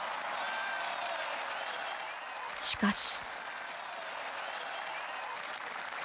しかし。